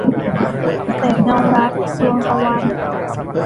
แสงเงารัก - ดวงตะวัน